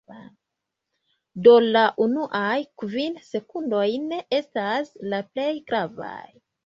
Do la unuaj kvin sekundojn estas la plej gravaj